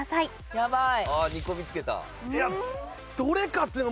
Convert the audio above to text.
やばい！